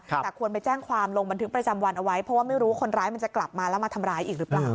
แต่ควรไปแจ้งความลงบันทึกประจำวันเอาไว้เพราะว่าไม่รู้ว่าคนร้ายมันจะกลับมาแล้วมาทำร้ายอีกหรือเปล่า